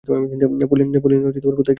Pauline, কোথায় গেল সে?